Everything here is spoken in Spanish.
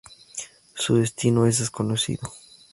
Su destino es desconocido.